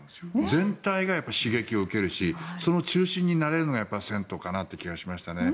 全体が刺激を受けるしその中心になれるのが銭湯かなっていう気がしましたね。